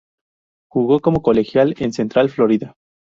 Jugo como colegial en Central Florida.